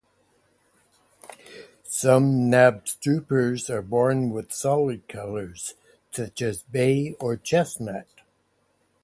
Some Knabstruppers are born with solid colors, such as bay or chestnut.